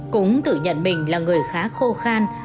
cũng tự nhận mình là người khá khô khan